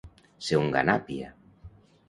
Ser un ganàpia.